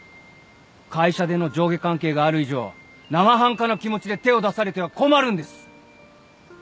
会社での上下関係がある以上生半可な気持ちで手を出されては困るんです！